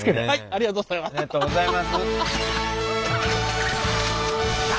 ありがとうございます。